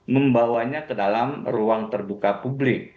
membawanya ke dalam ruang terbuka publik